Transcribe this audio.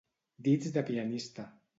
Dits de pianista.